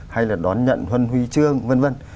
hay là đón nhận huân huy chương vân vân